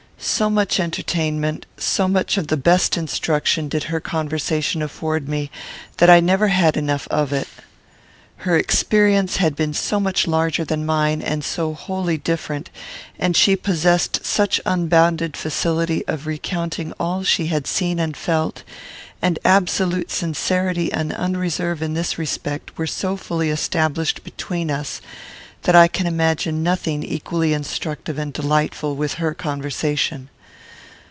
So much entertainment, so much of the best instruction, did her conversation afford me, that I never had enough of it. Her experience had been so much larger than mine, and so wholly different, and she possessed such unbounded facility of recounting all she had seen and felt, and absolute sincerity and unreserve in this respect were so fully established between us, that I can imagine nothing equally instructive and delightful with her conversation.